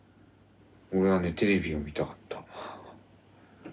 俺はねテレビが見たかった。